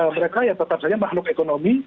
mereka ya tetap saja makhluk ekonomi